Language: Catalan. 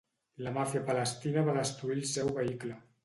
La màfia palestina va destruir el seu vehicle.